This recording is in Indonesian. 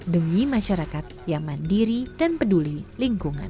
demi masyarakat yang mandiri dan peduli lingkungan